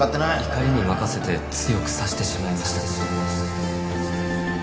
・怒りに任せて強く刺してしまいました